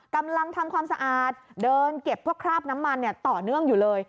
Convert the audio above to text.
กำลังทำความสะอาดเดินเก็บพวกคราบน้ำมันต่อเนื่องอยู่เลย